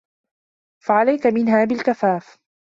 فَعَلَيْك مِنْهَا بِالْكَفَافِ